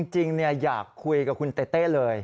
จริงอยากคุยกับคุณเต้เลย